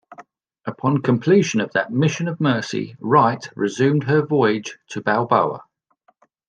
Upon completion of that mission of mercy, "Wright" resumed her voyage to Balboa.